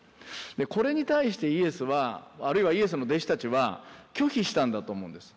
これに対してイエスはあるいはイエスの弟子たちは拒否したんだと思うんです。